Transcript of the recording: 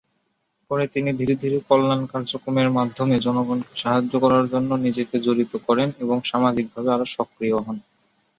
পরে তিনি ধীরে ধীরে, কল্যাণ কার্যক্রমের মাধ্যমে জনগণকে সাহায্য করার জন্য নিজেকে জড়িত করেন, এবং সামাজিকভাবে আরো সক্রিয় হন।